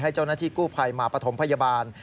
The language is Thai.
ให้เจ้านัทธิกู้ภัยมาปฐมพยาบาล